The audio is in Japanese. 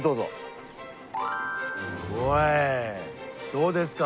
どうですか？